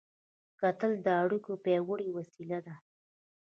کتل د اړیکو پیاوړې وسیله ده